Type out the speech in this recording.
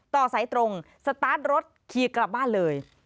ต่อสายตรงสตาร์ทรถขี่กลับบ้านเลย